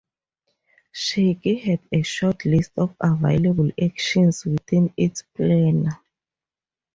Shakey had a short list of available actions within its planner.